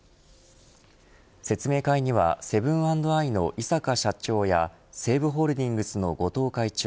説明会にはセブン＆アイの井阪社長や西武ホールディングスの後藤会長